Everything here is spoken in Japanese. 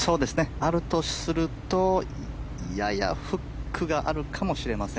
あるとするとややフックがあるかもしれません。